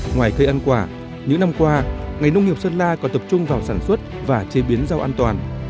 ngoài cây ăn quả những năm qua ngành nông nghiệp sơn la còn tập trung vào sản xuất và chế biến rau an toàn